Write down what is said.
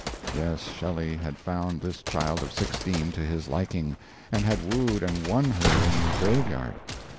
Yes, Shelley had found this child of sixteen to his liking, and had wooed and won her in the graveyard.